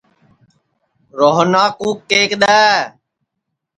روہنا کُو کیک دؔے